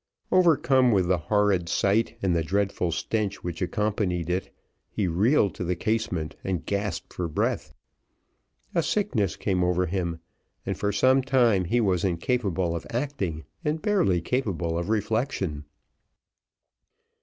Overcome with the horrid sight, and the dreadful stench which accompanied it, he reeled to the casement and gasped for breath. A sickness came over him, and for some time he was incapable of acting and barely capable of reflection.